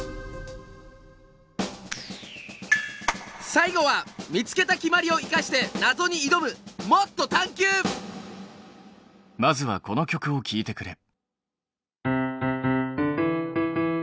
最後は見つけた決まりを生かしてなぞにいどむまずはこの曲を聞いてくれ。